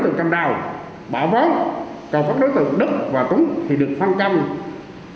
tượng canh đào bảo vốn còn pháp đối tượng đức và cúng thì được phan canh